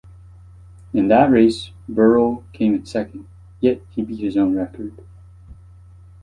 In that race, Burrell came in second, yet he beat his own record.